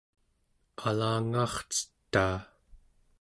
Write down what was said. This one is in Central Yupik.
alangaarcetaa